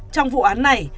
trong vụ án này